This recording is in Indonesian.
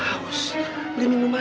harus beli minuman